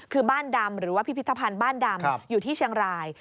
คือบ้านดำหรือว่าพิพิธภัณฑ์บ้านดำอยู่ที่เชียงราย